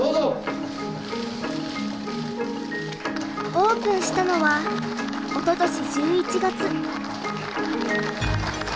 オープンしたのはおととし１１月。